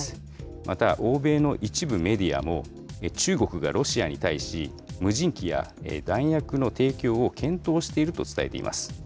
また、欧米の一部メディアも、中国がロシアに対し、無人機や弾薬の提供を検討していると伝えています。